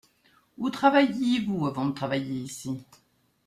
Où travailliez-vous avant de travailler ici ?